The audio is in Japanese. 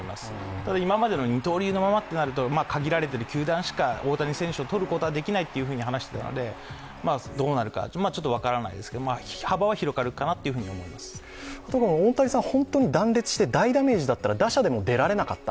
ただ、今までの二刀流のままだと限られた球団しか大谷選手をとれないと話していたので、どうなるかちょっと分からないですけど大谷さん、本当に断裂して大ダメージだったら、打者でも出られなかった。